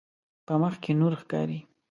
په مخ کې نور ښکاري.